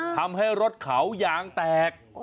ทำให้รถเขายางแตก